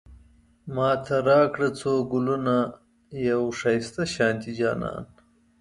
ماته راکړه څو ګلونه، يو ښايسته شانتی جانان